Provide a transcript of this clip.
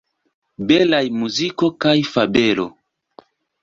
Belaj muziko kaj fabelo!